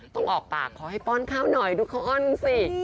ต้องออกปากขอให้ปอนข้าวหน่อยทุกคนนะสิ